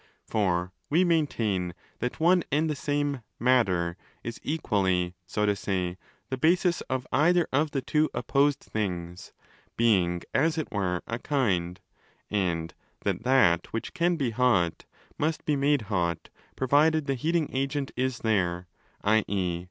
For we main tain that one and the same 'matter' is egually, so to say, the basis of either of the two opposed things—being as it were a'kind';and that that which can be hot must be made hot, provided the heating agent is there, i.e.